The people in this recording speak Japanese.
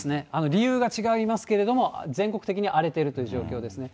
理由が違いますけれども、全国的に荒れているという状況ですね。